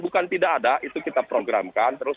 bukan tidak ada itu kita programkan terus